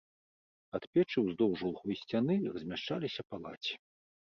Ад печы ўздоўж глухой сцяны размяшчаліся палаці.